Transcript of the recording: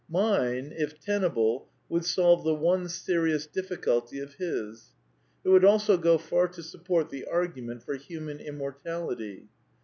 Mine, if tenable, would solve the one serious difficulty of his. It would also go far to support the argument for Human Immortality.